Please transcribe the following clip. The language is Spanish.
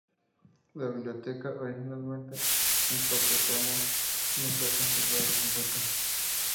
La "Biblioteca", originalmente en cuatro tomos, no se ha conservado completa.